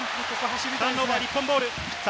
ターンオーバー、日本ボール。